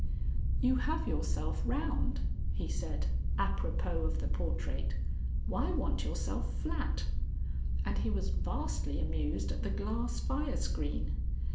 "You have yourself round," he said, apropos of the portrait, "Why want yourself flat?" and he was vastly amused at the glass fire screen.